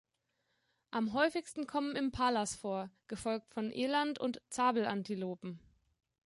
Am häufigsten kommen Impalas vor, gefolgt von Eland und Zabel-Antilopen.